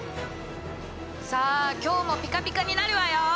さあ今日もピカピカになるわよ！